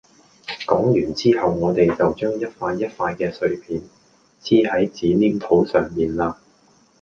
講完之後我哋就將一塊一塊嘅碎片黐喺紙黏土上面嘞